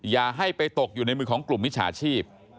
อย่าให้ไปตกอยู่ในมือของกลุ่มมิจฉาชีพ